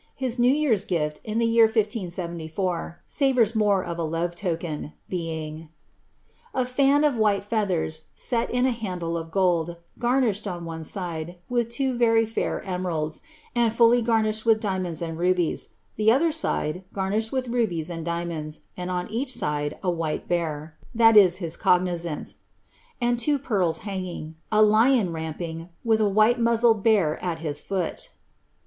His new year's glA in the year 1574 savours more of a love token, being —*< A fan of white feathers, set in a handle of gold, garnished, on one side, with two very fair emeralds, and fully garnished with diamonds and rubies; the other side garnished with rubies and diamonds, and on each side a white bear, (his cognizance,) and two pearls hanging, a lion ramping, with a white muzzled bear at his foot."